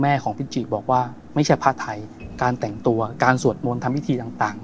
ของพิจิบอกว่าไม่ใช่ผ้าไทยการแต่งตัวการสวดมนต์ทำพิธีต่าง